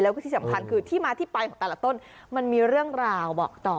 แล้วก็ที่สำคัญคือที่มาที่ไปของแต่ละต้นมันมีเรื่องราวบอกต่อ